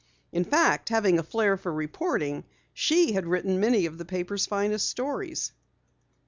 In fact, having a flare for reporting, she had written many of the paper's finest stories.